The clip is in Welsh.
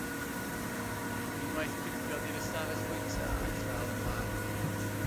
Unwaith cripiodd i'r ystafell fwyta a'i chael yn wag.